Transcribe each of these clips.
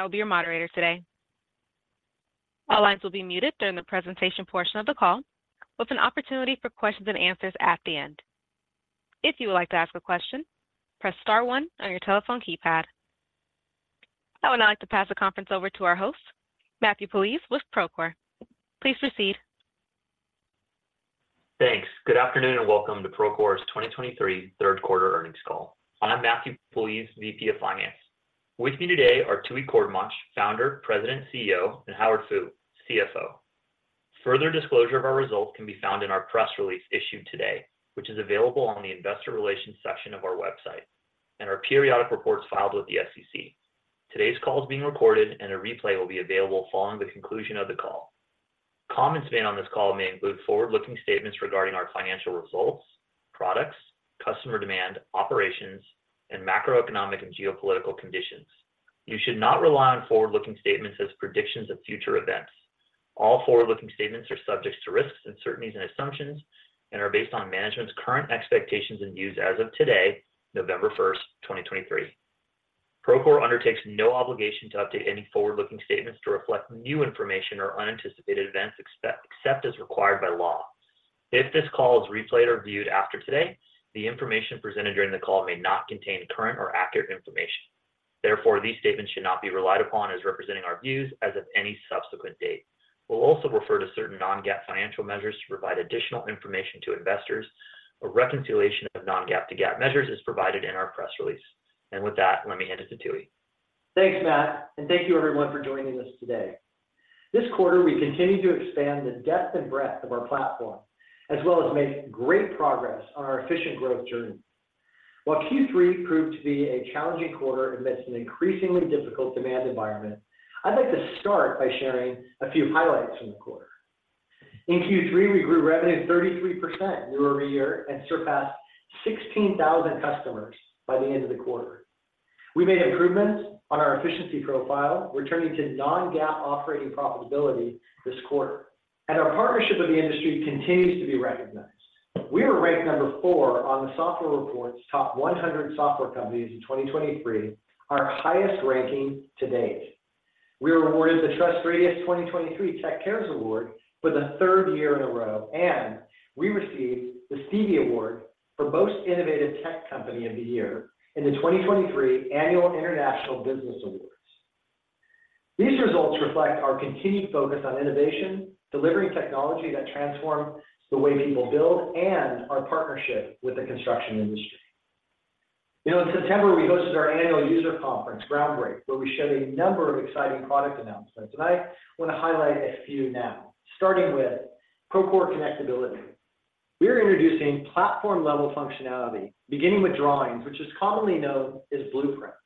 I will be your moderator today. All lines will be muted during the presentation portion of the call, with an opportunity for questions and answers at the end. If you would like to ask a question, press star 1 on your telephone keypad. I would now like to pass the conference over to our host, Matthew Puljiz with Procore. Please proceed. Thanks. Good afternoon and welcome to Procore's 2023 third-quarter earnings call. I'm Matthew Puljiz, VP of Finance. With me today are Tooey Courtemanche, founder, president, CEO, and Howard Fu, CFO. Further disclosure of our results can be found in our press release issued today, which is available on the investor relations section of our website and our periodic reports filed with the SEC. Today's call is being recorded, and a replay will be available following the conclusion of the call. Comments made on this call may include forward-looking statements regarding our financial results, products, customer demand, operations, and macroeconomic and geopolitical conditions. You should not rely on forward-looking statements as predictions of future events. All forward-looking statements are subject to risks, uncertainties, and assumptions, and are based on management's current expectations and views as of today, November 1, 2023. Procore undertakes no obligation to update any forward-looking statements to reflect new information or unanticipated events except as required by law. If this call is replayed or viewed after today, the information presented during the call may not contain current or accurate information. Therefore, these statements should not be relied upon as representing our views as of any subsequent date. We'll also refer to certain non-GAAP financial measures to provide additional information to investors. A reconciliation of non-GAAP to GAAP measures is provided in our press release. With that, let me hand it to Tooey. Thanks, Matt. And thank you, everyone, for joining us today. This quarter, we continue to expand the depth and breadth of our platform, as well as make great progress on our efficient growth journey. While Q3 proved to be a challenging quarter amidst an increasingly difficult demand environment, I'd like to start by sharing a few highlights from the quarter. In Q3, we grew revenue 33% year-over-year and surpassed 16,000 customers by the end of the quarter. We made improvements on our efficiency profile, returning to non-GAAP operating profitability this quarter. And our partnership with the industry continues to be recognized. We were ranked number four on the Software Reports Top 100 Software Companies in 2023, our highest ranking to date. We were awarded the TrustRadius 2023 Tech Cares Award for the third year in a row, and we received the Stevie Award for Most Innovative Tech Company of the Year in the 2023 Annual International Business Awards. These results reflect our continued focus on innovation, delivering technology that transforms the way people build, and our partnership with the construction industry. In September, we hosted our annual user conference, Groundbreak, where we shared a number of exciting product announcements. And I want to highlight a few now, starting with Procore Connectability. We are introducing platform-level functionality, beginning with drawings, which is commonly known as blueprints.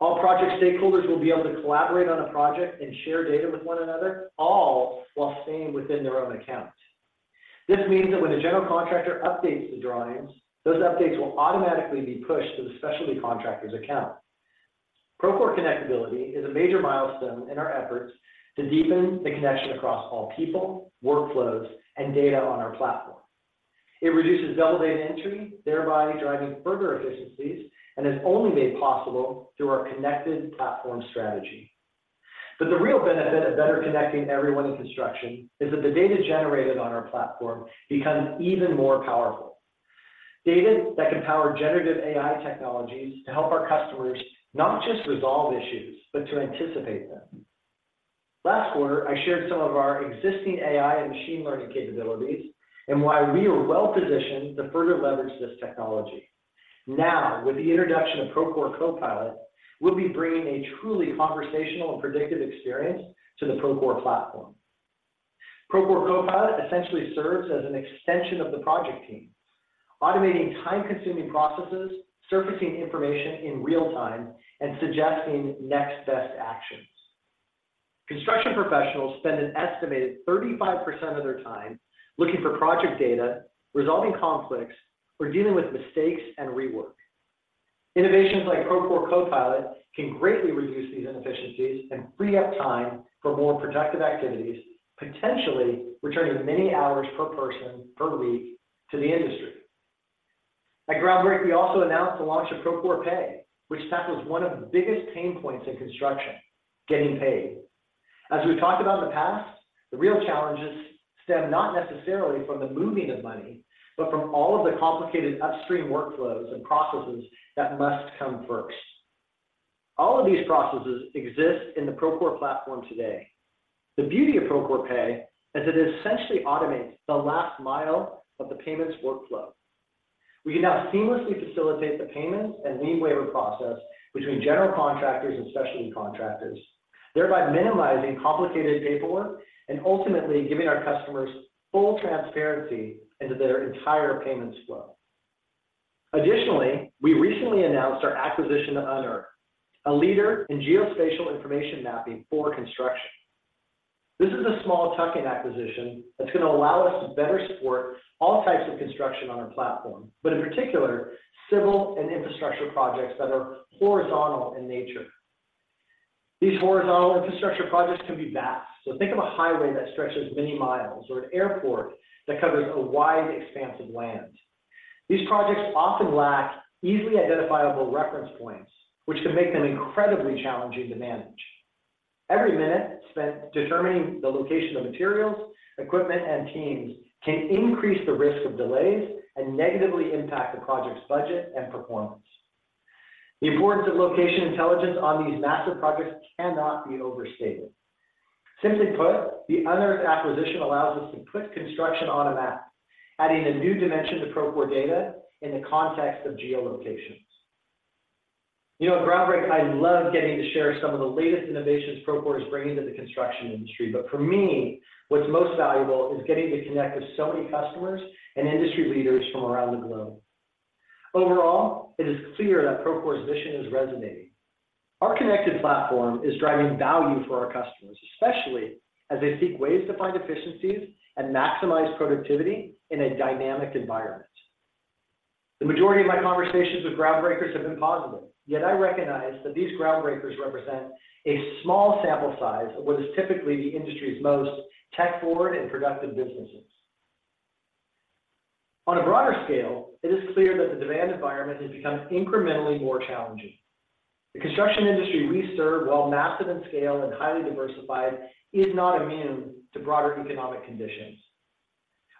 All project stakeholders will be able to collaborate on a project and share data with one another, all while staying within their own account. This means that when a general contractor updates the drawings, those updates will automatically be pushed to the specialty contractor's account. Procore Connectability is a major milestone in our efforts to deepen the connection across all people, workflows, and data on our platform. It reduces double-data entry, thereby driving further efficiencies, and is only made possible through our connected platform strategy. But the real benefit of better connecting everyone in construction is that the data generated on our platform becomes even more powerful, data that can power generative AI technologies to help our customers not just resolve issues but to anticipate them. Last quarter, I shared some of our existing AI and machine learning capabilities and why we are well-positioned to further leverage this technology. Now, with the introduction of Procore Copilot, we'll be bringing a truly conversational and predictive experience to the Procore platform. Procore Copilot essentially serves as an extension of the project team, automating time-consuming processes, surfacing information in real time, and suggesting next best actions. Construction professionals spend an estimated 35% of their time looking for project data, resolving conflicts, or dealing with mistakes and rework. Innovations like Procore Copilot can greatly reduce these inefficiencies and free up time for more productive activities, potentially returning many hours per person per week to the industry. At Groundbreak, we also announced the launch of Procore Pay, which tackles one of the biggest pain points in construction: getting paid. As we've talked about in the past, the real challenges stem not necessarily from the moving of money but from all of the complicated upstream workflows and processes that must come first. All of these processes exist in the Procore Platform today. The beauty of Procore Pay is that it essentially automates the last mile of the payments workflow. We can now seamlessly facilitate the payments and lien waiver process between general contractors and specialty contractors, thereby minimizing complicated paperwork and ultimately giving our customers full transparency into their entire payments flow. Additionally, we recently announced our acquisition of Unearth, a leader in geospatial information mapping for construction. This is a small tuck-in acquisition that's going to allow us to better support all types of construction on our platform, but in particular, civil and infrastructure projects that are horizontal in nature. These horizontal infrastructure projects can be vast. So think of a highway that stretches many miles or an airport that covers a wide, expansive land. These projects often lack easily identifiable reference points, which can make them incredibly challenging to manage. Every minute spent determining the location of materials, equipment, and teams can increase the risk of delays and negatively impact the project's budget and performance. The importance of location intelligence on these massive projects cannot be overstated. Simply put, the Unearth acquisition allows us to put construction on a map, adding a new dimension to Procore data in the context of geolocations. At Groundbreak, I love getting to share some of the latest innovations Procore is bringing to the construction industry. But for me, what's most valuable is getting to connect with so many customers and industry leaders from around the globe. Overall, it is clear that Procore's mission is resonating. Our connected platform is driving value for our customers, especially as they seek ways to find efficiencies and maximize productivity in a dynamic environment. The majority of my conversations with Groundbreakers have been positive. Yet I recognize that these Groundbreakers represent a small sample size of what is typically the industry's most tech-forward and productive businesses. On a broader scale, it is clear that the demand environment has become incrementally more challenging. The construction industry we serve, while massive in scale and highly diversified, is not immune to broader economic conditions.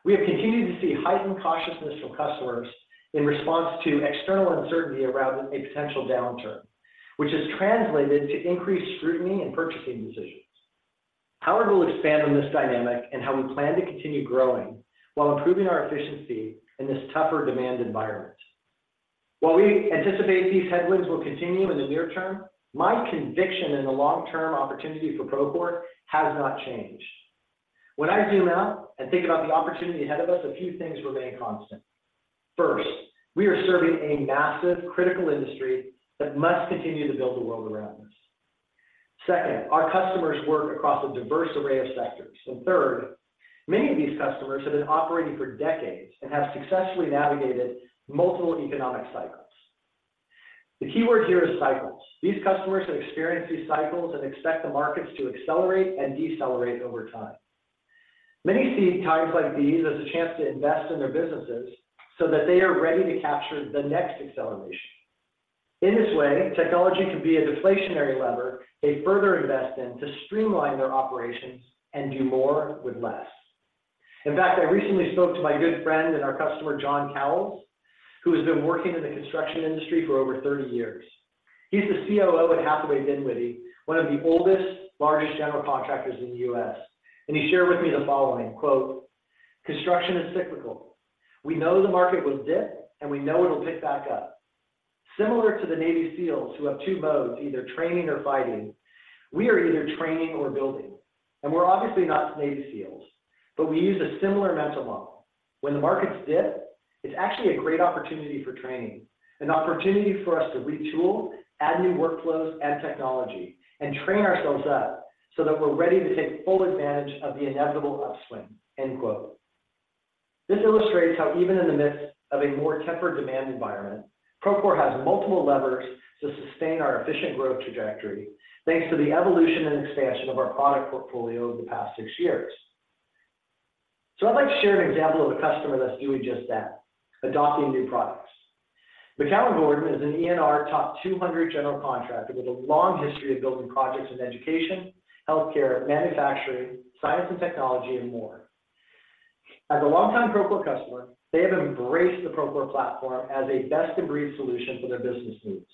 We have continued to see heightened cautiousness from customers in response to external uncertainty around a potential downturn, which has translated to increased scrutiny in purchasing decisions. Howard will expand on this dynamic and how we plan to continue growing while improving our efficiency in this tougher demand environment. While we anticipate these headwinds will continue in the near term, my conviction in the long-term opportunity for Procore has not changed. When I zoom out and think about the opportunity ahead of us, a few things remain constant. First, we are serving a massive, critical industry that must continue to build the world around us. Second, our customers work across a diverse array of sectors. Third, many of these customers have been operating for decades and have successfully navigated multiple economic cycles. The keyword here is cycles. These customers have experienced these cycles and expect the markets to accelerate and decelerate over time. Many see times like these as a chance to invest in their businesses so that they are ready to capture the next acceleration. In this way, technology can be a deflationary lever they further invest in to streamline their operations and do more with less. In fact, I recently spoke to my good friend and our customer, John Cowles, who has been working in the construction industry for over 30 years. He's the COO at Hathaway Dinwiddie, one of the oldest, largest general contractors in the U.S. And he shared with me the following, quote, "Construction is cyclical. We know the market will dip, and we know it'll pick back up. Similar to the Navy SEALs, who have two modes, either training or fighting, we are either training or building. And we're obviously not Navy SEALs, but we use a similar mental model. When the markets dip, it's actually a great opportunity for training, an opportunity for us to retool, add new workflows and technology, and train ourselves up so that we're ready to take full advantage of the inevitable upswing," end quote. This illustrates how even in the midst of a more tempered demand environment, Procore has multiple levers to sustain our efficient growth trajectory thanks to the evolution and expansion of our product portfolio over the past six years. So I'd like to share an example of a customer that's doing just that, adopting new products. McCownGordon is an ENR Top 200 general contractor with a long history of building projects in education, healthcare, manufacturing, science and technology, and more. As a long-time Procore customer, they have embraced the Procore platform as a best-of-breed solution for their business needs.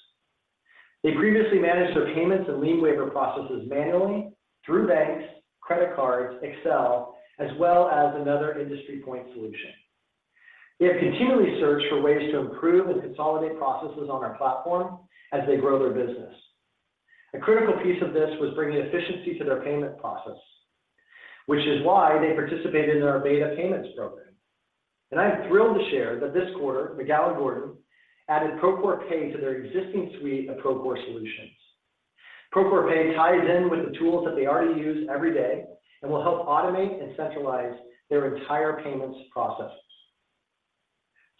They previously managed their payments and lien waiver processes manually through banks, credit cards, Excel, as well as another industry point solution. They have continually searched for ways to improve and consolidate processes on our platform as they grow their business. A critical piece of this was bringing efficiency to their payment process, which is why they participated in our beta payments program. And I'm thrilled to share that this quarter, McCownGordon added Procore Pay to their existing suite of Procore solutions. Procore Pay ties in with the tools that they already use every day and will help automate and centralize their entire payments processes.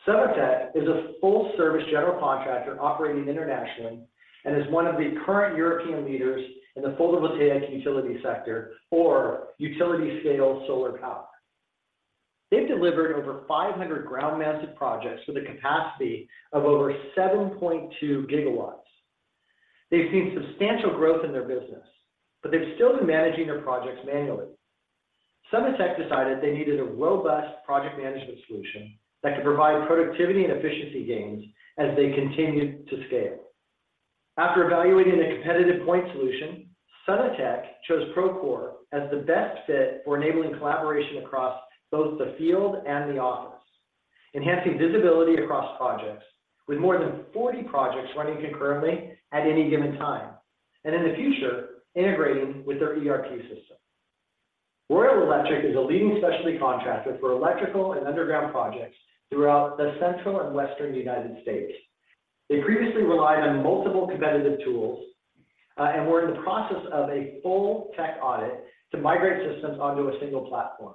Sunotec is a full-service general contractor operating internationally and is one of the current European leaders in the photovoltaic utility sector or utility-scale solar power. They've delivered over 500 ground-mounted projects with a capacity of over 7.2 gigawatts. They've seen substantial growth in their business, but they've still been managing their projects manually. Sunotec decided they needed a robust project management solution that could provide productivity and efficiency gains as they continued to scale. After evaluating a competitive point solution, Sunotec chose Procore as the best fit for enabling collaboration across both the field and the office, enhancing visibility across projects with more than 40 projects running concurrently at any given time, and in the future, integrating with their ERP system. Royal Electric is a leading specialty contractor for electrical and underground projects throughout the central and western United States. They previously relied on multiple competitive tools and were in the process of a full tech audit to migrate systems onto a single platform.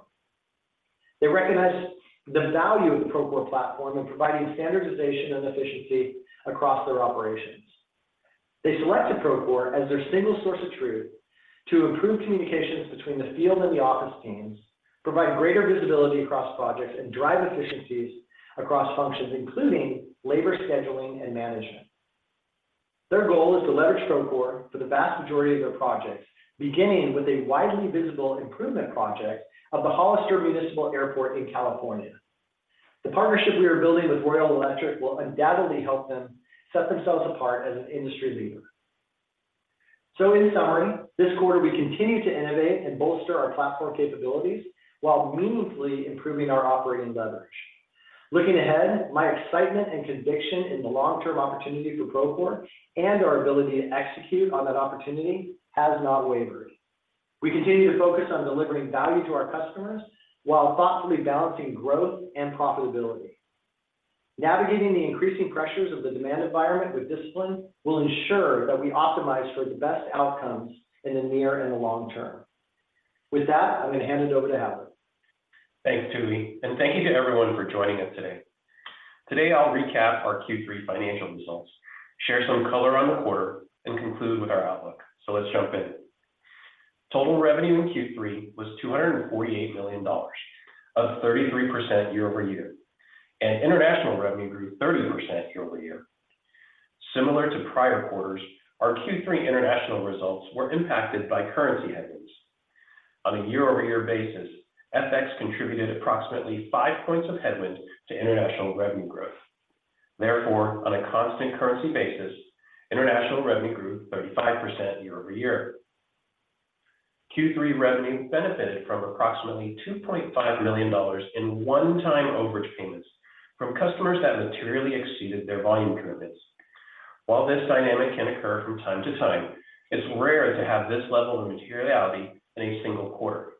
They recognize the value of the Procore platform in providing standardization and efficiency across their operations. They selected Procore as their single source of truth to improve communications between the field and the office teams, provide greater visibility across projects, and drive efficiencies across functions, including labor scheduling and management. Their goal is to leverage Procore for the vast majority of their projects, beginning with a widely visible improvement project of the Hollister Municipal Airport in California. The partnership we are building with Royal Electric will undoubtedly help them set themselves apart as an industry leader. So in summary, this quarter, we continue to innovate and bolster our platform capabilities while meaningfully improving our operating leverage. Looking ahead, my excitement and conviction in the long-term opportunity for Procore and our ability to execute on that opportunity has not wavered. We continue to focus on delivering value to our customers while thoughtfully balancing growth and profitability. Navigating the increasing pressures of the demand environment with discipline will ensure that we optimize for the best outcomes in the near and the long term. With that, I'm going to hand it over to Howard. Thanks, Tooey. And thank you to everyone for joining us today. Today, I'll recap our Q3 financial results, share some color on the quarter, and conclude with our outlook. So let's jump in. Total revenue in Q3 was $248 million, up 33% year-over-year, and international revenue grew 30% year-over-year. Similar to prior quarters, our Q3 international results were impacted by currency headwinds. On a year-over-year basis, FX contributed approximately five points of headwind to international revenue growth. Therefore, on a constant currency basis, international revenue grew 35% year-over-year. Q3 revenue benefited from approximately $2.5 million in one-time overage payments from customers that materially exceeded their volume commitments. While this dynamic can occur from time to time, it's rare to have this level of materiality in a single quarter.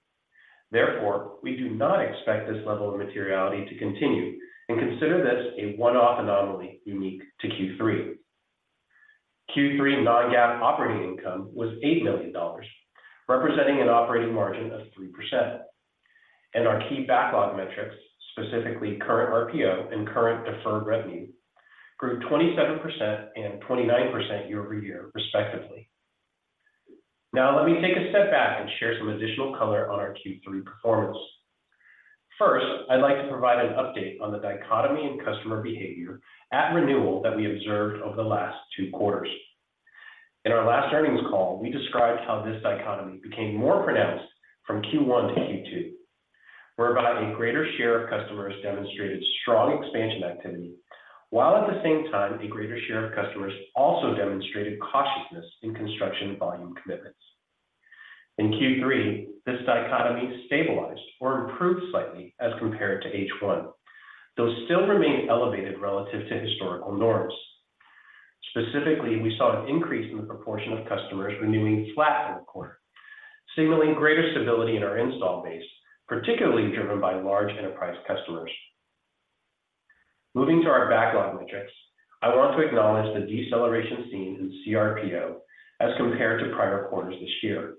Therefore, we do not expect this level of materiality to continue and consider this a one-off anomaly unique to Q3. Q3 non-GAAP operating income was $8 million, representing an operating margin of 3%. Our key backlog metrics, specifically current RPO and current deferred revenue, grew 27% and 29% year-over-year, respectively. Now, let me take a step back and share some additional color on our Q3 performance. First, I'd like to provide an update on the dichotomy in customer behavior at renewal that we observed over the last two quarters. In our last earnings call, we described how this dichotomy became more pronounced from Q1 to Q2, whereby a greater share of customers demonstrated strong expansion activity while at the same time, a greater share of customers also demonstrated cautiousness in construction volume commitments. In Q3, this dichotomy stabilized or improved slightly as compared to H1, though still remained elevated relative to historical norms. Specifically, we saw an increase in the proportion of customers renewing flat in the quarter, signaling greater stability in our install base, particularly driven by large enterprise customers. Moving to our backlog metrics, I want to acknowledge the deceleration seen in CRPO as compared to prior quarters this year.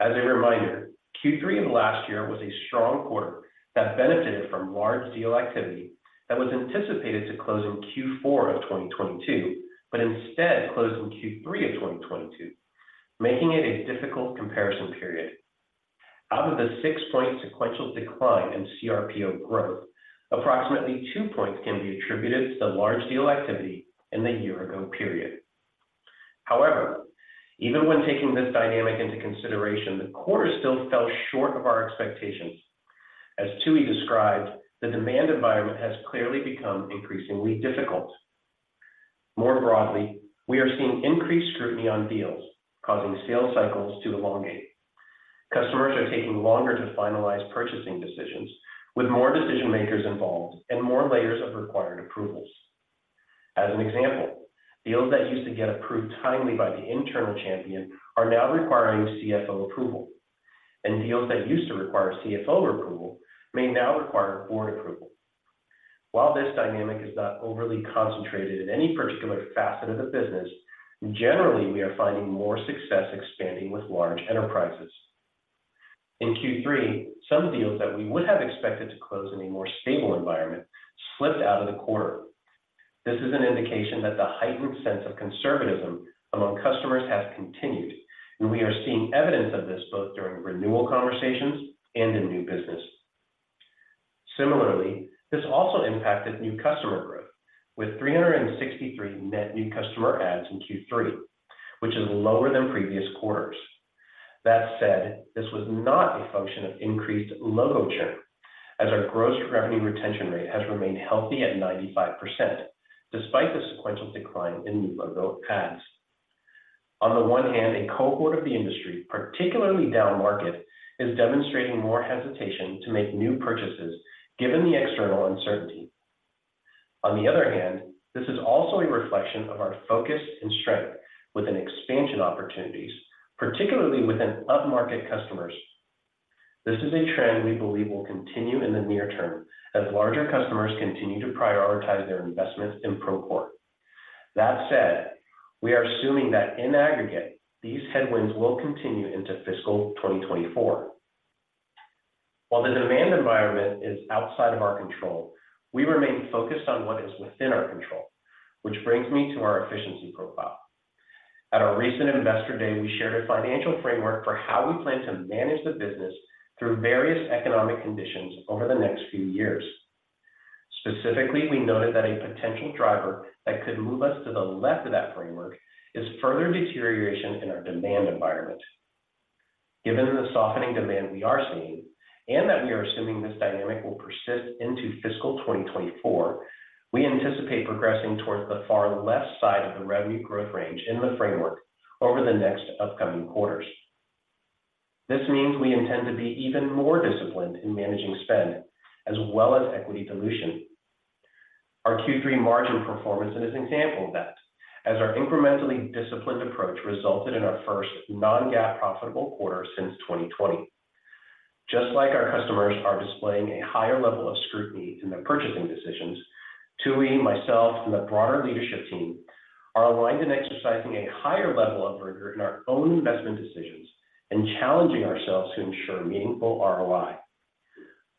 As a reminder, Q3 of last year was a strong quarter that benefited from large deal activity that was anticipated to close in Q4 of 2022 but instead closed in Q3 of 2022, making it a difficult comparison period. Out of the 6-point sequential decline in CRPO growth, approximately 2 points can be attributed to the large deal activity in the year-ago period. However, even when taking this dynamic into consideration, the quarter still fell short of our expectations. As Tooey described, the demand environment has clearly become increasingly difficult. More broadly, we are seeing increased scrutiny on deals, causing sales cycles to elongate. Customers are taking longer to finalize purchasing decisions, with more decision-makers involved and more layers of required approvals. As an example, deals that used to get approved timely by the internal champion are now requiring CFO approval. Deals that used to require CFO approval may now require board approval. While this dynamic is not overly concentrated in any particular facet of the business, generally, we are finding more success expanding with large enterprises. In Q3, some deals that we would have expected to close in a more stable environment slipped out of the quarter. This is an indication that the heightened sense of conservatism among customers has continued, and we are seeing evidence of this both during renewal conversations and in new business. Similarly, this also impacted new customer growth, with 363 net new customer adds in Q3, which is lower than previous quarters. That said, this was not a function of increased logo churn, as our gross revenue retention rate has remained healthy at 95% despite the sequential decline in new logo adds. On the one hand, a cohort of the industry, particularly down-market, is demonstrating more hesitation to make new purchases given the external uncertainty. On the other hand, this is also a reflection of our focus and strength within expansion opportunities, particularly within up-market customers. This is a trend we believe will continue in the near term as larger customers continue to prioritize their investments in Procore. That said, we are assuming that in aggregate, these headwinds will continue into fiscal 2024. While the demand environment is outside of our control, we remain focused on what is within our control, which brings me to our efficiency profile. At our recent Investor Day, we shared a financial framework for how we plan to manage the business through various economic conditions over the next few years. Specifically, we noted that a potential driver that could move us to the left of that framework is further deterioration in our demand environment. Given the softening demand we are seeing and that we are assuming this dynamic will persist into fiscal 2024, we anticipate progressing towards the far left side of the revenue growth range in the framework over the next upcoming quarters. This means we intend to be even more disciplined in managing spend as well as equity dilution. Our Q3 margin performance is an example of that, as our incrementally disciplined approach resulted in our first non-GAAP profitable quarter since 2020. Just like our customers are displaying a higher level of scrutiny in their purchasing decisions, Tooey, myself, and the broader leadership team are aligned in exercising a higher level of rigor in our own investment decisions and challenging ourselves to ensure meaningful ROI.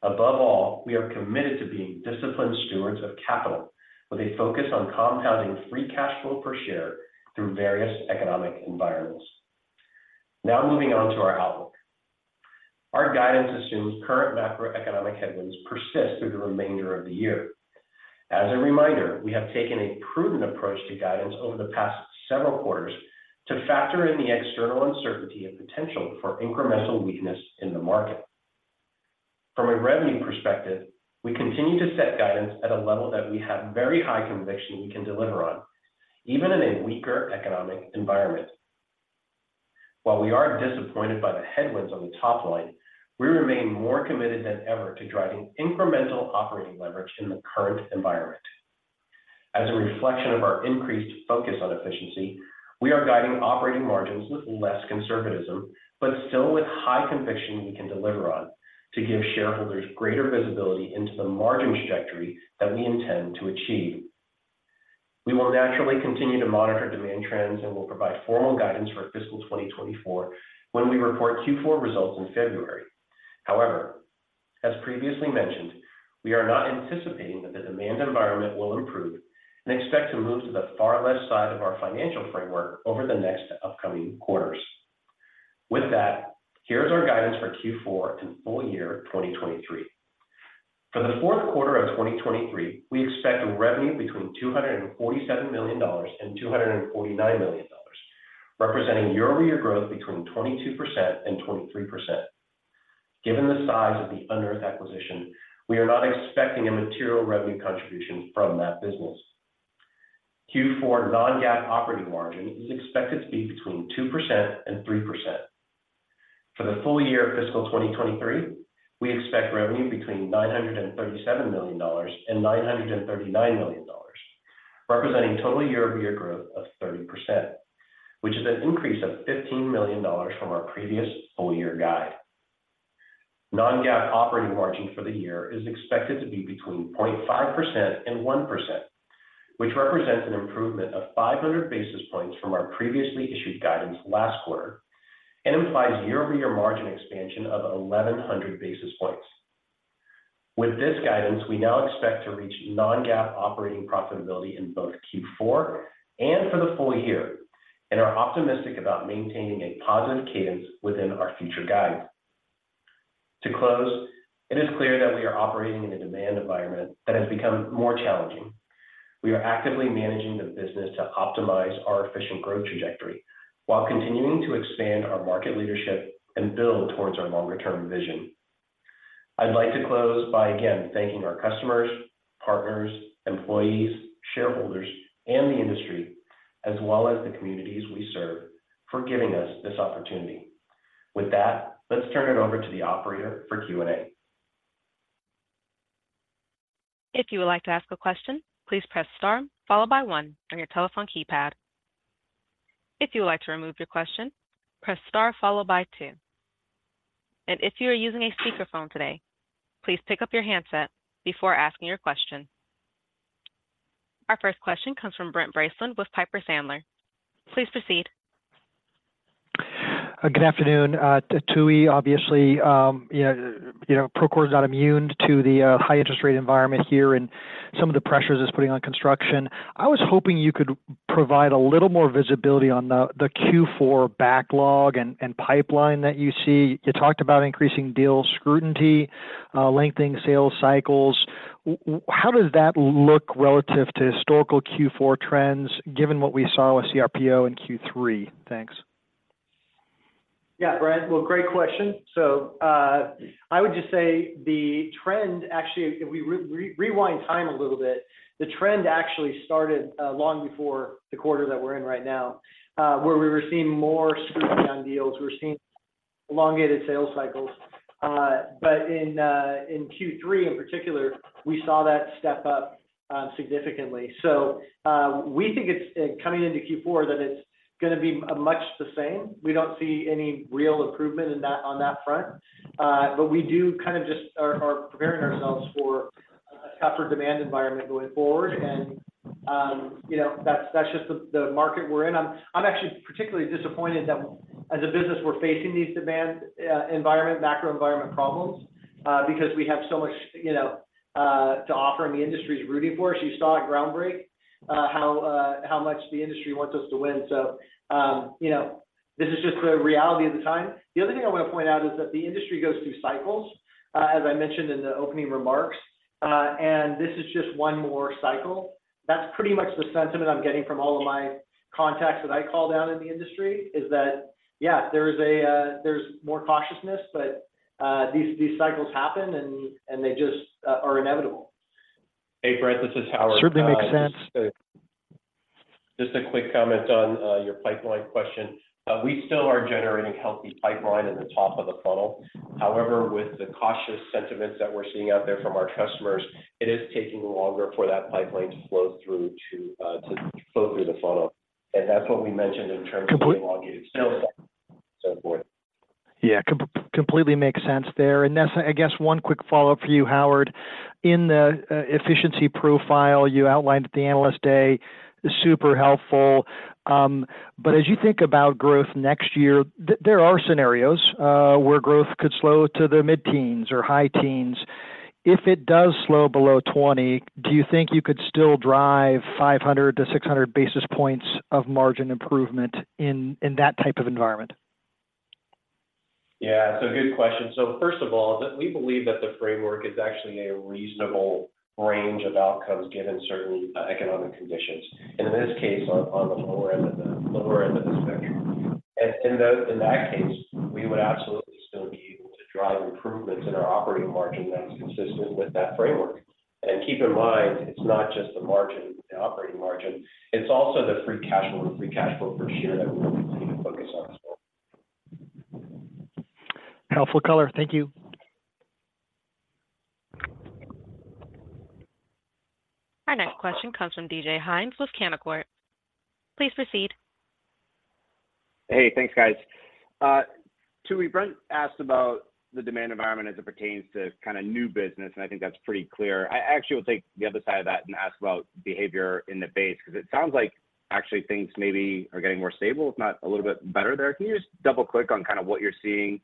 Above all, we are committed to being disciplined stewards of capital with a focus on compounding free cash flow per share through various economic environments. Now, moving on to our outlook. Our guidance assumes current macroeconomic headwinds persist through the remainder of the year. As a reminder, we have taken a prudent approach to guidance over the past several quarters to factor in the external uncertainty and potential for incremental weakness in the market. From a revenue perspective, we continue to set guidance at a level that we have very high conviction we can deliver on, even in a weaker economic environment. While we are disappointed by the headwinds on the top line, we remain more committed than ever to driving incremental operating leverage in the current environment. As a reflection of our increased focus on efficiency, we are guiding operating margins with less conservatism but still with high conviction we can deliver on to give shareholders greater visibility into the margin trajectory that we intend to achieve. We will naturally continue to monitor demand trends and will provide formal guidance for fiscal 2024 when we report Q4 results in February. However, as previously mentioned, we are not anticipating that the demand environment will improve and expect to move to the far left side of our financial framework over the next upcoming quarters. With that, here is our guidance for Q4 and full year 2023. For the fourth quarter of 2023, we expect revenue between $247 million-$249 million, representing year-over-year growth between 22%-23%. Given the size of the Unearth acquisition, we are not expecting a material revenue contribution from that business. Q4 Non-GAAP operating margin is expected to be between 2%-3%. For the full year fiscal 2023, we expect revenue between $937 million-$939 million, representing total year-over-year growth of 30%, which is an increase of $15 million from our previous full year guide. Non-GAAP operating margin for the year is expected to be between 0.5%-1%, which represents an improvement of 500 basis points from our previously issued guidance last quarter and implies year-over-year margin expansion of 1,100 basis points. With this guidance, we now expect to reach non-GAAP operating profitability in both Q4 and for the full year and are optimistic about maintaining a positive cadence within our future guide. To close, it is clear that we are operating in a demand environment that has become more challenging. We are actively managing the business to optimize our efficient growth trajectory while continuing to expand our market leadership and build towards our longer-term vision. I'd like to close by again thanking our customers, partners, employees, shareholders, and the industry, as well as the communities we serve, for giving us this opportunity. With that, let's turn it over to the operator for Q&A. If you would like to ask a question, please press star followed by 1 on your telephone keypad. If you would like to remove your question, press star followed by 2. If you are using a speakerphone today, please pick up your handset before asking your question. Our first question comes from Brent Bracelin with Piper Sandler. Please proceed. Good afternoon. Tooey, obviously, Procore is not immune to the high-interest rate environment here and some of the pressures it's putting on construction. I was hoping you could provide a little more visibility on the Q4 backlog and pipeline that you see. You talked about increasing deal scrutiny, lengthening sales cycles. How does that look relative to historical Q4 trends given what we saw with CRPO in Q3? Thanks. Yeah, Brent. Well, great question. So I would just say the trend actually, if we rewind time a little bit, the trend actually started long before the quarter that we're in right now, where we were seeing more scrutiny on deals. We were seeing elongated sales cycles. But in Q3 in particular, we saw that step up significantly. So we think it's coming into Q4 that it's going to be much the same. We don't see any real improvement on that front. But we do kind of just are preparing ourselves for a tougher demand environment going forward. And that's just the market we're in. I'm actually particularly disappointed that as a business, we're facing these demand environment, macroenvironment problems because we have so much to offer and the industry is rooting for us. You saw at Groundbreak how much the industry wants us to win. This is just the reality of the time. The other thing I want to point out is that the industry goes through cycles, as I mentioned in the opening remarks. This is just one more cycle. That's pretty much the sentiment I'm getting from all of my contacts that I call down in the industry, is that, yeah, there's more cautiousness, but these cycles happen and they just are inevitable. Hey, Brent. This is Howard Fu. Sure. They make sense. Just a quick comment on your pipeline question. We still are generating healthy pipeline in the top of the funnel. However, with the cautious sentiments that we're seeing out there from our customers, it is taking longer for that pipeline to flow through the funnel. That's what we mentioned in terms of the elongated sales cycle and so forth. Yeah. Completely makes sense there. And just, I guess one quick follow-up for you, Howard. In the efficiency profile, you outlined it the Analyst Day. Super helpful. But as you think about growth next year, there are scenarios where growth could slow to the mid-teens or high-teens. If it does slow below 20, do you think you could still drive 500-600 basis points of margin improvement in that type of environment? Yeah. Good question. First of all, we believe that the framework is actually a reasonable range of outcomes given certain economic conditions, and in this case, on the lower end of the spectrum. In that case, we would absolutely still be able to drive improvements in our operating margin that's consistent with that framework. Keep in mind, it's not just the margin, the operating margin. It's also the free cash flow and free cash flow per share that we will continue to focus on as well. Helpful color. Thank you. Our next question comes from DJ Hynes with Canaccord Genuity. Please proceed. Hey. Thanks, guys. Tooey, Brent asked about the demand environment as it pertains to kind of new business, and I think that's pretty clear. I actually will take the other side of that and ask about behavior in the base because it sounds like actually things maybe are getting more stable, if not a little bit better there. Can you just double-click on kind of what you're seeing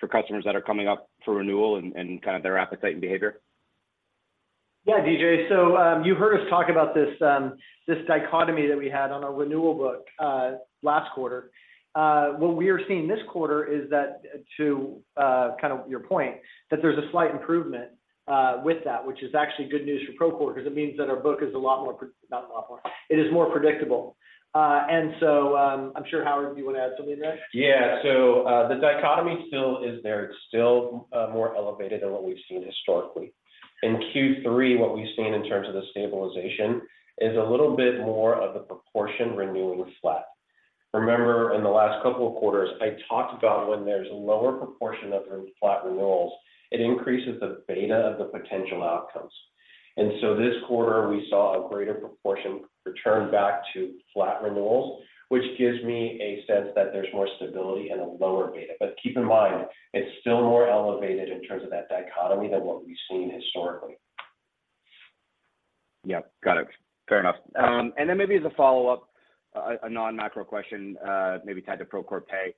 for customers that are coming up for renewal and kind of their appetite and behavior? Yeah, DJ. So you heard us talk about this dichotomy that we had on our renewal book last quarter. What we are seeing this quarter is that, to kind of your point, that there's a slight improvement with that, which is actually good news for Procore because it means that our book is a lot more not a lot more. It is more predictable. And so I'm sure, Howard, you want to add something to that? Yeah. So the dichotomy still is there. It's still more elevated than what we've seen historically. In Q3, what we've seen in terms of the stabilization is a little bit more of the proportion renewing flat. Remember, in the last couple of quarters, I talked about when there's a lower proportion of flat renewals, it increases the beta of the potential outcomes. And so this quarter, we saw a greater proportion return back to flat renewals, which gives me a sense that there's more stability and a lower beta. But keep in mind, it's still more elevated in terms of that dichotomy than what we've seen historically. Yep. Got it. Fair enough. And then maybe as a follow-up, a non-macro question, maybe tied to Procore Pay.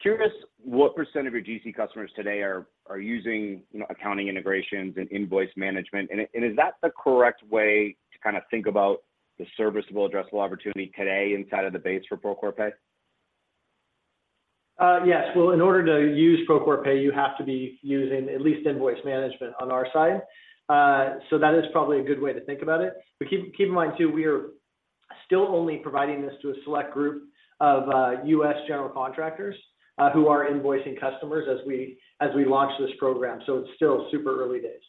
Curious, what % of your GC customers today are using accounting integrations and invoice management? And is that the correct way to kind of think about the serviceable addressable opportunity today inside of the base for Procore Pay? Yes. Well, in order to use Procore Pay, you have to be using at least invoice management on our side. So that is probably a good way to think about it. But keep in mind, too, we are still only providing this to a select group of U.S. general contractors who are invoicing customers as we launch this program. So it's still super early days.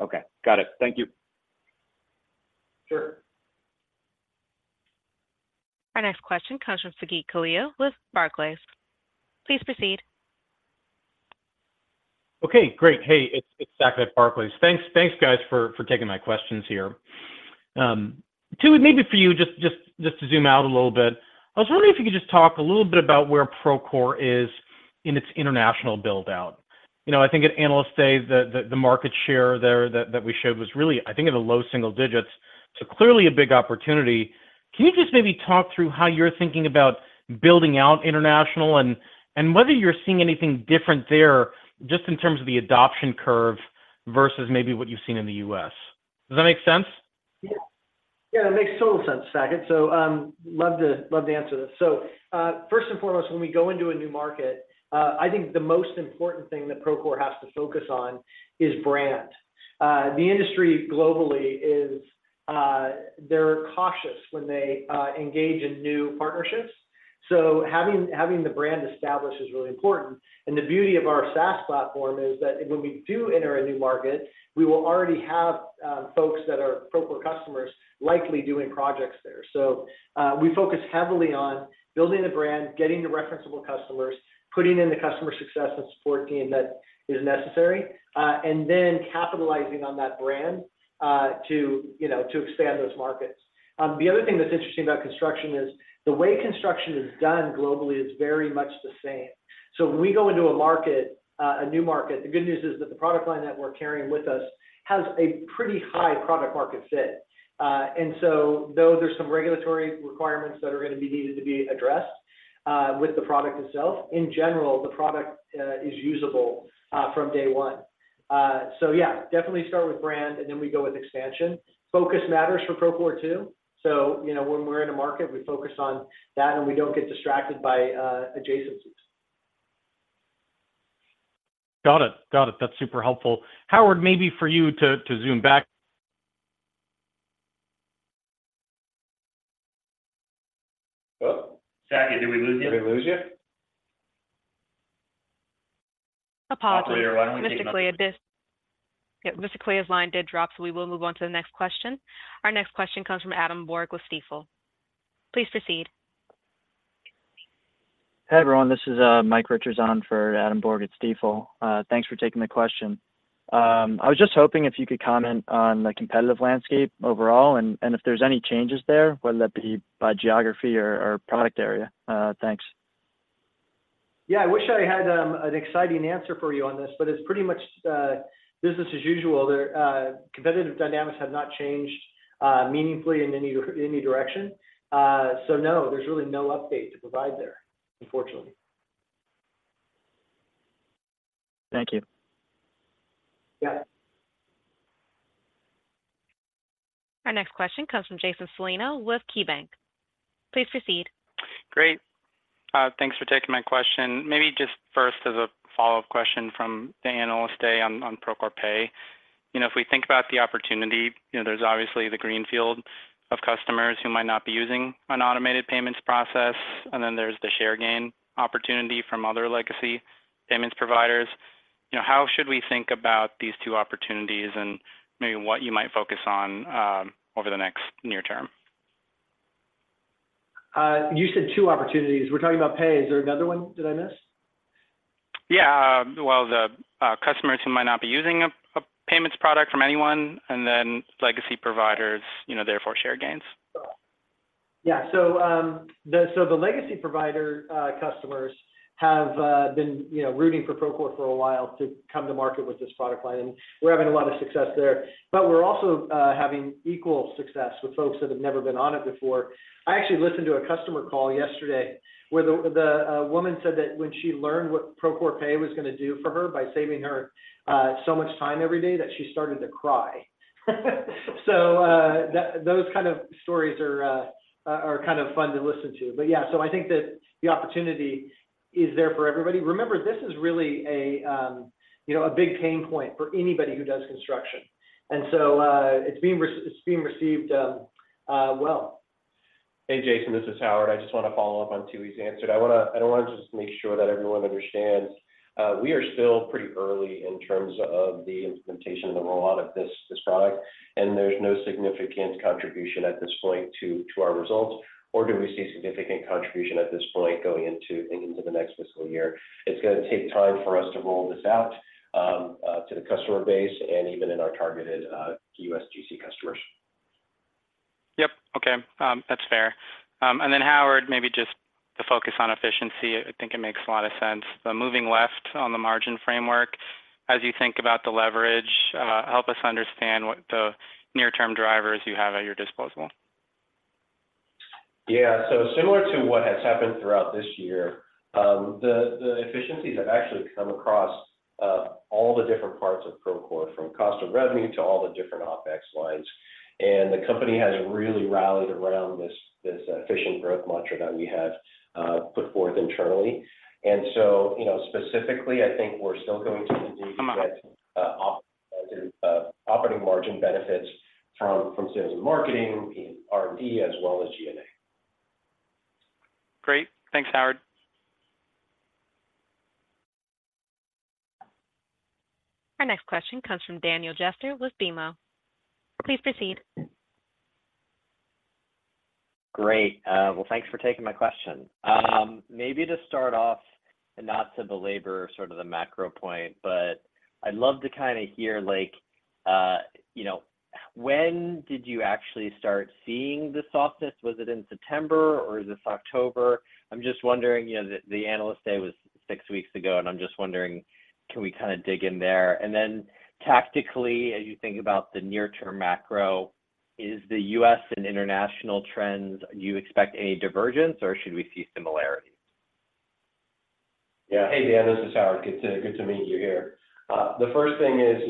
Okay. Got it. Thank you. Sure. Our next question comes from Saket Kalia with Barclays. Please proceed. Okay. Great. Hey, it's Saket Barclays. Thanks, guys, for taking my questions here. Tooey, maybe for you, just to zoom out a little bit, I was wondering if you could just talk a little bit about where Procore is in its international build-out. I think at analyst day, the market share there that we showed was really, I think, at a low single digits. So clearly a big opportunity. Can you just maybe talk through how you're thinking about building out international and whether you're seeing anything different there just in terms of the adoption curve versus maybe what you've seen in the U.S.? Does that make sense? Yeah. Yeah. That makes total sense, Saket. So love to answer this. So first and foremost, when we go into a new market, I think the most important thing that Procore has to focus on is brand. The industry globally, they're cautious when they engage in new partnerships. So having the brand established is really important. And the beauty of our SaaS platform is that when we do enter a new market, we will already have folks that are Procore customers likely doing projects there. So we focus heavily on building the brand, getting the referenceable customers, putting in the customer success and support team that is necessary, and then capitalizing on that brand to expand those markets. The other thing that's interesting about construction is the way construction is done globally is very much the same. So when we go into a new market, the good news is that the product line that we're carrying with us has a pretty high product-market fit. And so though there's some regulatory requirements that are going to be needed to be addressed with the product itself, in general, the product is usable from day one. So yeah, definitely start with brand, and then we go with expansion. Focus matters for Procore too. So when we're in a market, we focus on that, and we don't get distracted by adjacencies. Got it. Got it. That's super helpful. Howard, maybe for you to zoom back. Hello? Saket, did we lose you? Did we lose you? Apologies. Mister Kalia's line did drop, so we will move on to the next question. Our next question comes from Adam Borg with Stifel. Please proceed. Hi, everyone. This is Mike Richardson for Adam Borg at Stifel. Thanks for taking the question. I was just hoping if you could comment on the competitive landscape overall and if there's any changes there, whether that be by geography or product area. Thanks. Yeah. I wish I had an exciting answer for you on this, but it's pretty much business as usual. The competitive dynamics have not changed meaningfully in any direction. So no, there's really no update to provide there, unfortunately. Thank you. Yeah. Our next question comes from Jason Celino with KeyBanc. Please proceed. Great. Thanks for taking my question. Maybe just first as a follow-up question from the analyst day on Procore Pay. If we think about the opportunity, there's obviously the greenfield of customers who might not be using an automated payments process. And then there's the share gain opportunity from other legacy payments providers. How should we think about these two opportunities and maybe what you might focus on over the next near term? You said two opportunities. We're talking about pay. Is there another one that I missed? Yeah. Well, the customers who might not be using a payments product from anyone and then legacy providers, therefore, share gains. Yeah. So the legacy provider customers have been rooting for Procore for a while to come to market with this product line. And we're having a lot of success there. But we're also having equal success with folks that have never been on it before. I actually listened to a customer call yesterday where the woman said that when she learned what Procore Pay was going to do for her by saving her so much time every day, that she started to cry. So those kind of stories are kind of fun to listen to. But yeah. So I think that the opportunity is there for everybody. Remember, this is really a big pain point for anybody who does construction. And so it's being received well. Hey, Jason. This is Howard. I just want to follow up on Tooey's answer. I do want to make sure that everyone understands. We are still pretty early in terms of the implementation and the rollout of this product. And there's no significant contribution at this point to our results. Or do we see significant contribution at this point going into the next fiscal year? It's going to take time for us to roll this out to the customer base and even in our targeted U.S. GC customers. Yep. Okay. That's fair. And then, Howard, maybe just the focus on efficiency. I think it makes a lot of sense. The moving left on the margin framework, as you think about the leverage, help us understand what the near-term drivers you have at your disposal? Yeah. So similar to what has happened throughout this year, the efficiencies have actually come across all the different parts of Procore from cost of revenue to all the different OpEx lines. The company has really rallied around this efficient growth mantra that we have put forth internally. So specifically, I think we're still going to continue to get operating margin benefits from sales and marketing, R&D, as well as G&A. Great. Thanks, Howard. Our next question comes from Daniel Jester with BMO. Please proceed. Great. Well, thanks for taking my question. Maybe to start off and not to belabor sort of the macro point, but I'd love to kind of hear when did you actually start seeing the softness? Was it in September, or is this October? I'm just wondering. The analyst day was six weeks ago, and I'm just wondering, can we kind of dig in there? And then tactically, as you think about the near-term macro, is the U.S. and international trends, do you expect any divergence, or should we see similarities? Yeah. Hey, Dan. This is Howard. Good to meet you here. The first thing is,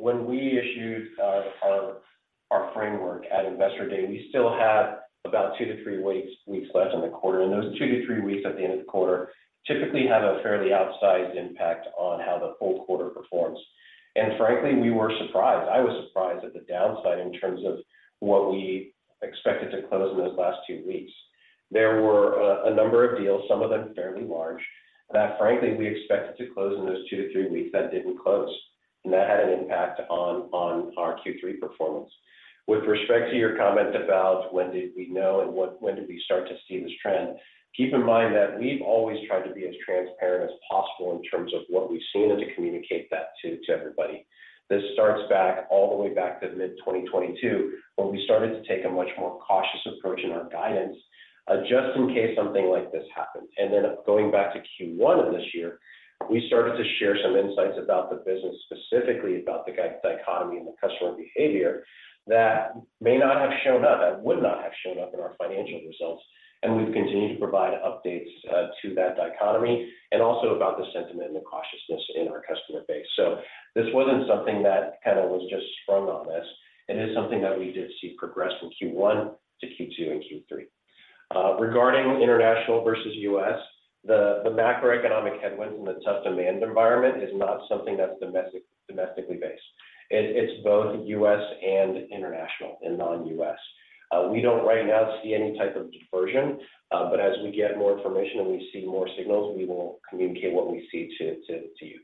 when we issued our framework at Investor Day, we still had about 2-3 weeks left in the quarter. And those 2-3 weeks at the end of the quarter typically have a fairly outsized impact on how the full quarter performs. And frankly, we were surprised. I was surprised at the downside in terms of what we expected to close in those last 2 weeks. There were a number of deals, some of them fairly large, that frankly, we expected to close in those 2-3 weeks that didn't close. And that had an impact on our Q3 performance. With respect to your comment about when did we know and when did we start to see this trend, keep in mind that we've always tried to be as transparent as possible in terms of what we've seen and to communicate that to everybody. This starts back all the way back to mid-2022 when we started to take a much more cautious approach in our guidance, just in case something like this happened. Then going back to Q1 of this year, we started to share some insights about the business, specifically about the dichotomy in the customer behavior that may not have shown up, that would not have shown up in our financial results. We've continued to provide updates to that dichotomy and also about the sentiment and the cautiousness in our customer base. This wasn't something that kind of was just sprung on us. It is something that we did see progress from Q1 to Q2 and Q3. Regarding international versus U.S., the macroeconomic headwinds and the tough demand environment is not something that's domestically based. It's both U.S. and international and non-U.S. We don't right now see any type of diversion. But as we get more information and we see more signals, we will communicate what we see to you.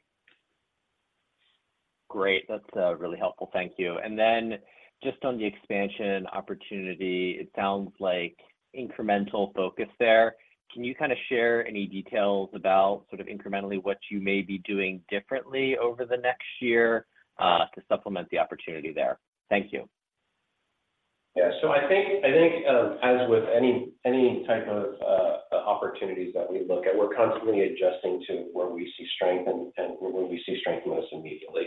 Great. That's really helpful. Thank you. And then just on the expansion opportunity, it sounds like incremental focus there. Can you kind of share any details about sort of incrementally what you may be doing differently over the next year to supplement the opportunity there? Thank you. Yeah. So I think as with any type of opportunities that we look at, we're constantly adjusting to where we see strength and where we see strength most immediately.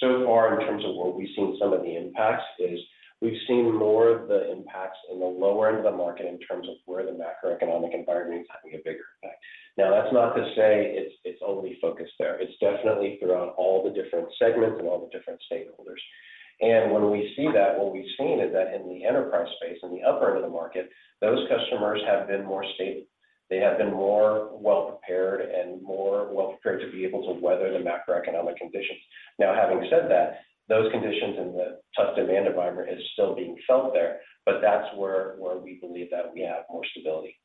So far, in terms of where we've seen some of the impacts, is we've seen more of the impacts in the lower end of the market in terms of where the macroeconomic environment is having a bigger impact. Now, that's not to say it's only focused there. It's definitely throughout all the different segments and all the different stakeholders. And when we see that, what we've seen is that in the enterprise space, in the upper end of the market, those customers have been more stable. They have been more well-prepared and more well-prepared to be able to weather the macroeconomic conditions. Now, having said that, those conditions and the tough demand environment is still being felt there, but that's where we believe that we have more stability.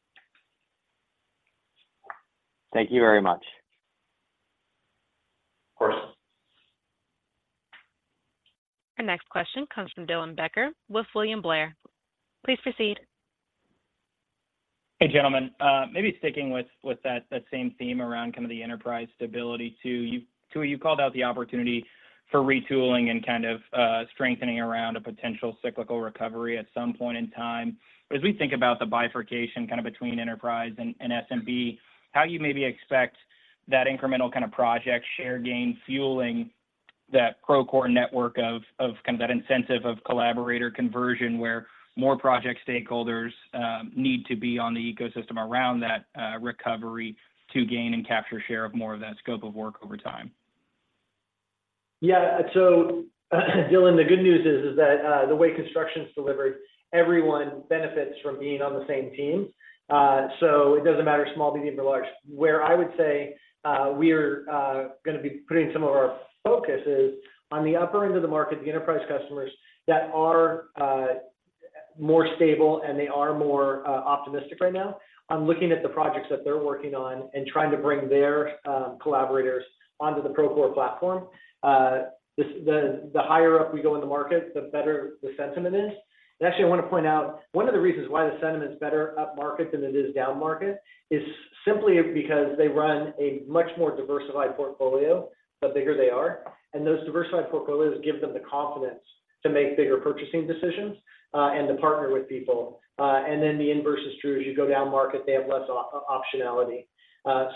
Thank you very much. Of course. Our next question comes from Dylan Becker with William Blair. Please proceed. Hey, gentlemen. Maybe sticking with that same theme around kind of the enterprise stability, too. Tooey, you called out the opportunity for retooling and kind of strengthening around a potential cyclical recovery at some point in time. But as we think about the bifurcation kind of between enterprise and SMB, how do you maybe expect that incremental kind of project share gain fueling that Procore network of kind of that incentive of collaborator conversion where more project stakeholders need to be on the ecosystem around that recovery to gain and capture share of more of that scope of work over time? Yeah. So, Dylan, the good news is that the way construction's delivered, everyone benefits from being on the same team. So it doesn't matter small, medium, or large. Where I would say we are going to be putting some of our focus is on the upper end of the market, the enterprise customers that are more stable, and they are more optimistic right now on looking at the projects that they're working on and trying to bring their collaborators onto the Procore platform. The higher up we go in the market, the better the sentiment is. And actually, I want to point out one of the reasons why the sentiment's better up market than it is down market is simply because they run a much more diversified portfolio, the bigger they are. And those diversified portfolios give them the confidence to make bigger purchasing decisions and to partner with people. And then the inverse is true. As you go down market, they have less optionality.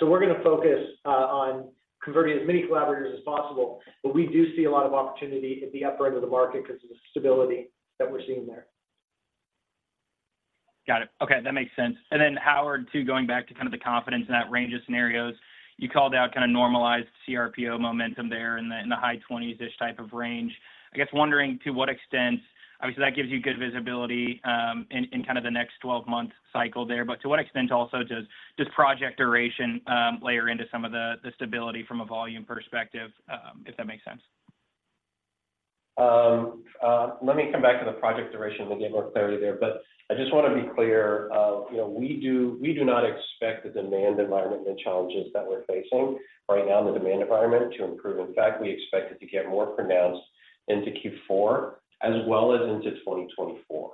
So we're going to focus on converting as many collaborators as possible. But we do see a lot of opportunity at the upper end of the market because of the stability that we're seeing there. Got it. Okay. That makes sense. And then, Howard, too, going back to kind of the confidence in that range of scenarios, you called out kind of normalized CRPO momentum there in the high 20s-ish type of range. I guess wondering to what extent obviously, that gives you good visibility in kind of the next 12-month cycle there. But to what extent also does project duration layer into some of the stability from a volume perspective, if that makes sense? Let me come back to the project duration. We gave more clarity there. But I just want to be clear. We do not expect the demand environment and the challenges that we're facing right now in the demand environment to improve. In fact, we expect it to get more pronounced into Q4 as well as into 2024.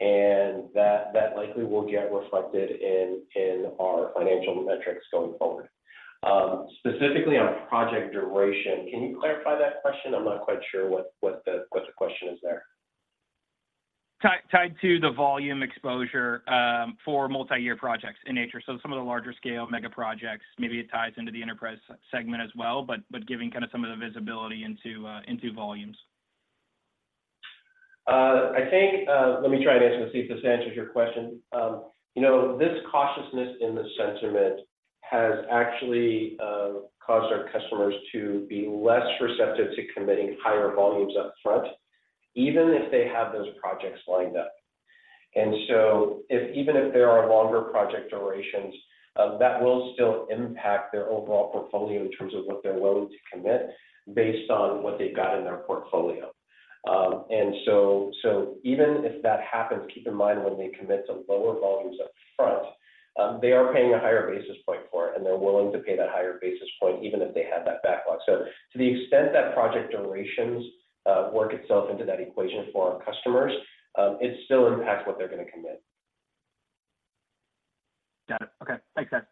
And that likely will get reflected in our financial metrics going forward. Specifically on project duration, can you clarify that question? I'm not quite sure what the question is there. Tied to the volume exposure for multi-year projects in nature. So some of the larger-scale mega projects, maybe it ties into the enterprise segment as well, but giving kind of some of the visibility into volumes. I think, let me try and answer to see if this answers your question. This cautiousness in the sentiment has actually caused our customers to be less receptive to committing higher volumes upfront, even if they have those projects lined up. And so even if there are longer project durations, that will still impact their overall portfolio in terms of what they're willing to commit based on what they've got in their portfolio. And so even if that happens, keep in mind when they commit to lower volumes upfront, they are paying a higher basis point for it, and they're willing to pay that higher basis point even if they have that backlog. So to the extent that project durations work itself into that equation for our customers, it still impacts what they're going to commit. Got it. Okay. Thanks, Howard.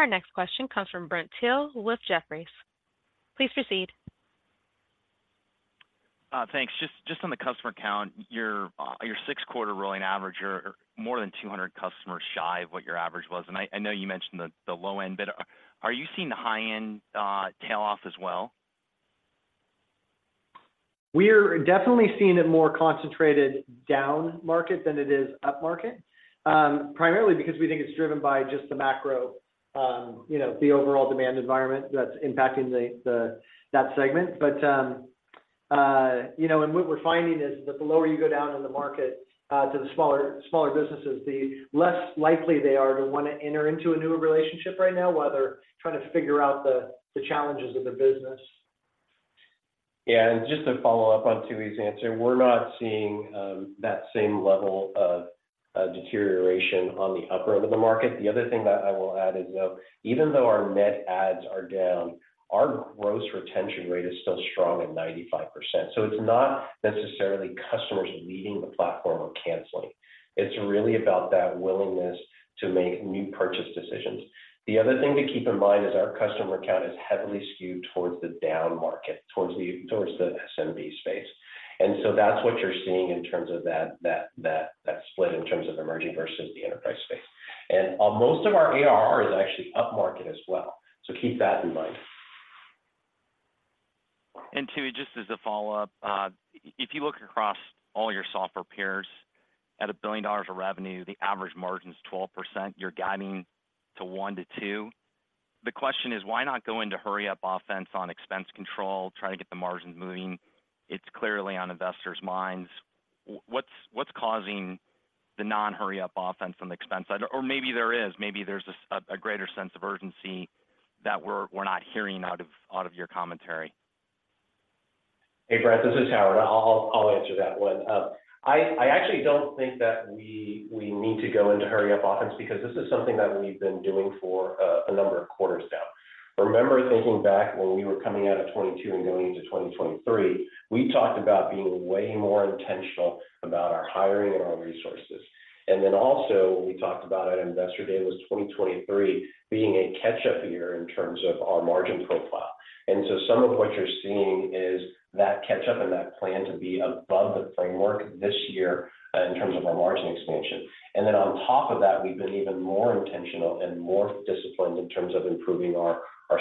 Our next question comes from Brent Thill with Jefferies. Please proceed. Thanks. Just on the customer count, your six-quarter rolling average, you're more than 200 customers shy of what your average was. I know you mentioned the low-end bit. Are you seeing the high-end tail-off as well? We're definitely seeing it more concentrated down market than it is up market, primarily because we think it's driven by just the macro, the overall demand environment that's impacting that segment. But what we're finding is that the lower you go down in the market to the smaller businesses, the less likely they are to want to enter into a newer relationship right now while they're trying to figure out the challenges of their business. Yeah. Just to follow up on Tooey's answer, we're not seeing that same level of deterioration on the upper end of the market. The other thing that I will add is, though, even though our net adds are down, our gross retention rate is still strong at 95%. So it's not necessarily customers leaving the platform or canceling. It's really about that willingness to make new purchase decisions. The other thing to keep in mind is our customer count is heavily skewed towards the down market, towards the SMB space. And so that's what you're seeing in terms of that split in terms of emerging versus the enterprise space. And most of our ARR is actually up market as well. So keep that in mind. Tooey, just as a follow-up, if you look across all your software peers at $1 billion of revenue, the average margin's 12%. You're guiding to 1%-2%. The question is, why not go into hurry-up offense on expense control, try to get the margins moving? It's clearly on investors' minds. What's causing the non-hurry-up offense on the expense side? Or maybe there is. Maybe there's a greater sense of urgency that we're not hearing out of your commentary. Hey, Brent. This is Howard. I'll answer that one. I actually don't think that we need to go into hurry-up offense because this is something that we've been doing for a number of quarters now. Remember thinking back when we were coming out of 2022 and going into 2023, we talked about being way more intentional about our hiring and our resources. And then also, when we talked about it on Investor Day was 2023 being a catch-up year in terms of our margin profile. And so some of what you're seeing is that catch-up and that plan to be above the framework this year in terms of our margin expansion. And then on top of that, we've been even more intentional and more disciplined in terms of improving our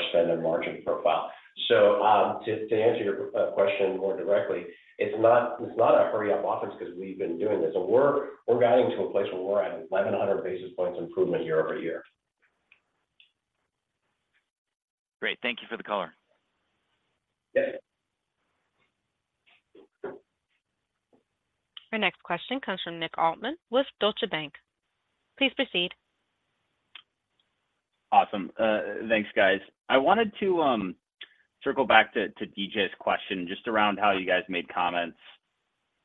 spend and margin profile. To answer your question more directly, it's not a hurry-up offense because we've been doing this. We're guiding to a place where we're at 1,100 basis points improvement year-over-year. Great. Thank you for the color. Yes. Our next question comes from Nick Altmann with Scotiabank. Please proceed. Awesome. Thanks, guys. I wanted to circle back to DJ's question just around how you guys made comments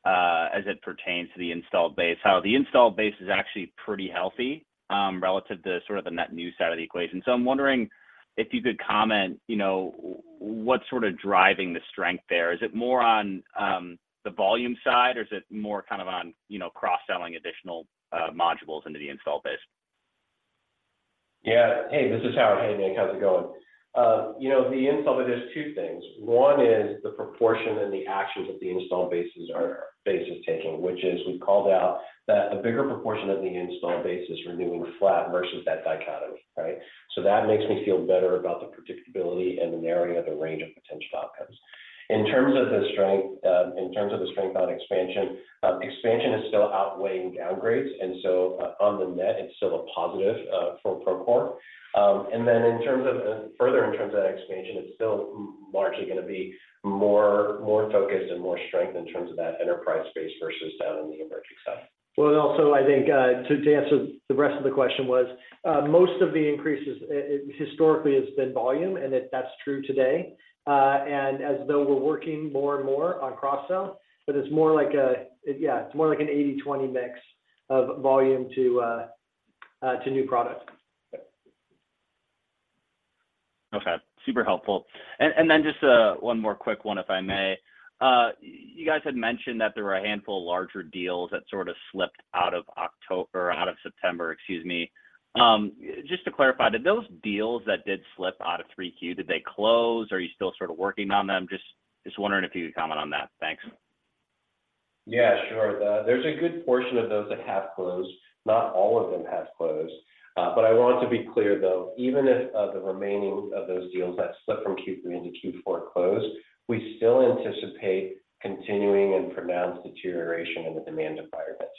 as it pertains to the installed base, how the installed base is actually pretty healthy relative to sort of the net new side of the equation. So I'm wondering if you could comment what's sort of driving the strength there. Is it more on the volume side, or is it more kind of on cross-selling additional modules into the installed base? Yeah. Hey, this is Howard. Hey, Nick. How's it going? The installed base, there's two things. One is the proportion and the actions that the installed bases are taking, which is we've called out that a bigger proportion of the installed bases renewing flat versus that dichotomy, right? So that makes me feel better about the predictability and the narrowing of the range of potential outcomes. In terms of the strength in terms of the strength on expansion, expansion is still outweighing downgrades. And so on the net, it's still a positive for Procore. And then further in terms of that expansion, it's still largely going to be more focused and more strength in terms of that enterprise space versus down in the emerging side. Well, also, I think to answer the rest of the question was, most of the increases historically has been volume, and that's true today. And as though we're working more and more on cross-sell, but it's more like, it's more like an 80/20 mix of volume to new product. No problem. Super helpful. And then just one more quick one, if I may. You guys had mentioned that there were a handful of larger deals that sort of slipped out of October or out of September, excuse me. Just to clarify, did those deals that did slip out of 3Q, did they close? Are you still sort of working on them? Just wondering if you could comment on that. Thanks. Yeah, sure. There's a good portion of those that have closed. Not all of them have closed. But I want to be clear, though, even if the remaining of those deals that slipped from Q3 into Q4 close, we still anticipate continuing and pronounced deterioration in the demand environment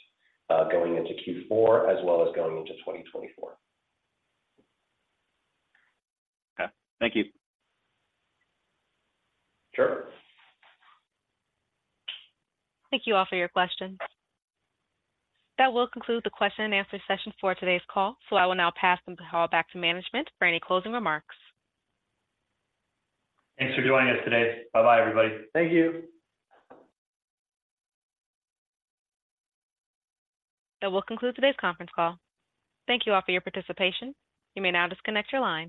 going into Q4 as well as going into 2024. Okay. Thank you. Sure. Thank you all for your questions. That will conclude the question-and-answer session for today's call. I will now pass the call back to management for any closing remarks. Thanks for joining us today. Bye-bye, everybody. Thank you. That will conclude today's conference call. Thank you all for your participation. You may now disconnect your line.